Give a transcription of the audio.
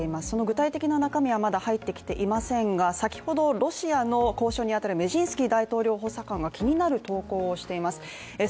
その具体的な中身はまだ入ってきていませんがロシアの交渉にあたるメジンスキー大統領補佐官が気になる投稿をしています。